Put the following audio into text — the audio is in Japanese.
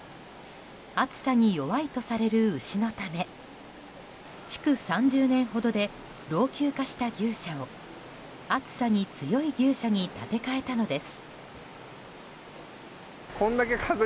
暑さに弱いとされる牛のため築３０年ほどで老朽化した牛舎を暑さに強い牛舎に建て替えたのです。